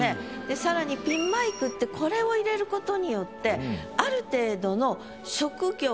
さらに「ピンマイク」ってこれを入れることによってある程度の。